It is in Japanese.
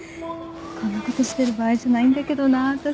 こんなことしてる場合じゃないんだけどな私。